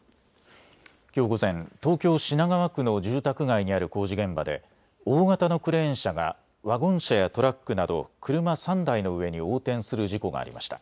きょう午前、東京品川区の住宅街にある工事現場で大型のクレーン車がワゴン車やトラックなど車３台の上に横転する事故がありました。